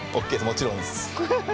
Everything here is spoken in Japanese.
もちろんです。